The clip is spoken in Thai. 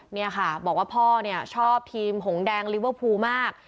เนี่ยค่ะบอกว่าพ่อเนี่ยชอบทีมหงแดงลิเวอร์พูลมาก